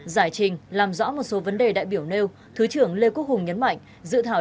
giải trình làm rõ một số vấn đề đại biểu nêu thứ trưởng lê quốc hùng nhấn mạnh